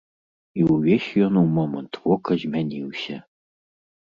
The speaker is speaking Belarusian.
І ўвесь ён у момант вока змяніўся.